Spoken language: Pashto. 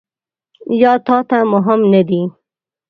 یا تا ته مهم نه دي ؟